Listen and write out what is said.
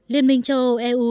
liên minh châu âu eu